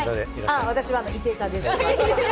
私は、いて座です。